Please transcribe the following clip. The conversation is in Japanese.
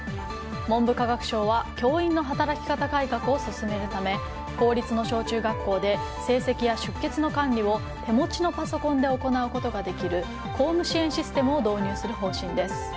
文部科学省は教員の働き方改革を進めるため公立の小中学校で成績や出欠の管理を手持ちのパソコンで行うことができる校務支援システムを導入する方針です。